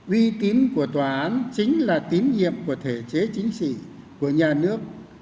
vi tín của tòa án chính là tín nhiệm của thể chế chính trị của nhà nước